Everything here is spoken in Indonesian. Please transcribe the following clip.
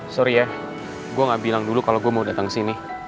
sorry ya gue gak bilang dulu kalau gue mau datang ke sini